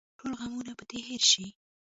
ټول غمونه به دې هېر شي.